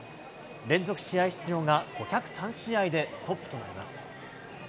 連続試合出場が５０３試合でストップとなります。